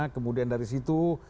kemudian dari situ